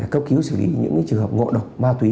cấp cứu xử lý những trường hợp ngộ độc ma túy